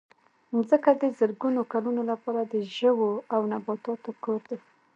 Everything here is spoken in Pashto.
مځکه د زرګونو کلونو لپاره د ژوو او نباتاتو کور دی.